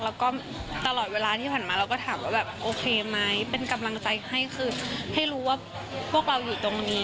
แล้วก็ตลอดเวลาที่ผ่านมาเราก็ถามว่าแบบโอเคไหมเป็นกำลังใจให้คือให้รู้ว่าพวกเราอยู่ตรงนี้